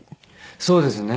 そうですね。